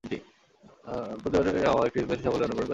প্রতিবারই এটি যুক্তরাজ্যের সাফল্যের অনুকরণ করতে ব্যর্থ হয়েছিল।